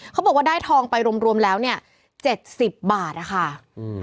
เขาบอกว่าได้ทองไปรวมแล้ว๗๐บาท